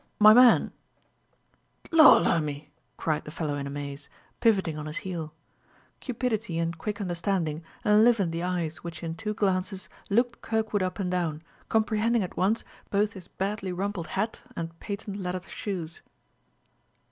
"My man " "Lor, lumme!" cried the fellow in amaze, pivoting on his heel. Cupidity and quick understanding enlivened the eyes which in two glances looked Kirkwood up and down, comprehending at once both his badly rumpled hat and patent leather shoes.